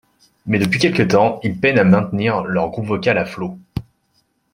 Mais depuis quelque temps, ils peinent à maintenir leur groupe vocal à flot.